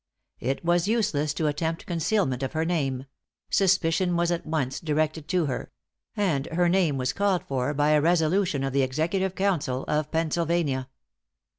It was useless to attempt concealment of her name; suspicion was at once directed to her; and her name was called for by a resolution of the Executive Council of Pennsylvania.